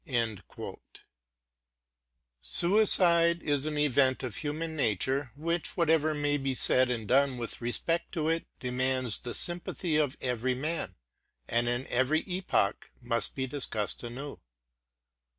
'' Suicide is an event of human nature, which, whatever may be said and done with respect to it, demands the sympathy of every man, and in every epoch must be discussed anew.